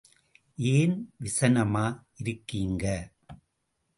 ஏன் விசனமா இருக்கீங்க?